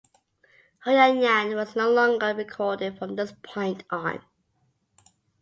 Huyan Yan was no longer recorded from this point on.